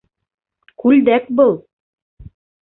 Күлдәк был!